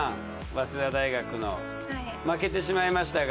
早稲田大学の負けてしまいましたが。